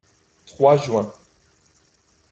Trois juin.